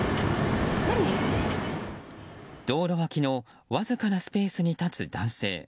道路脇のわずかなスペースに立つ男性。